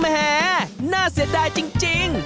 แหมน่าเสียดายจริง